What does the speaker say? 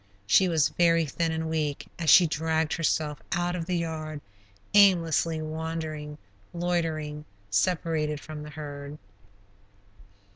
She was very thin and weak as she dragged herself out of the "yard," aimlessly wandering, loitering, separated from the herd.